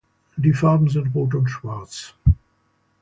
Die Farben sind rot und schwarz.